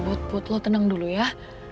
buat put lo tenang dulu ya